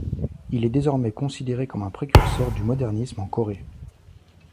Il est désormais considéré comme un précurseur du modernisme en Corée.